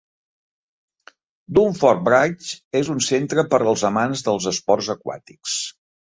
Dunford Bridge és un centre per als amants dels esports aquàtics.